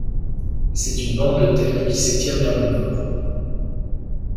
C'est une bande de terre qui s'étire vers le nord.